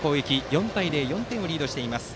４対０と４点リードしています。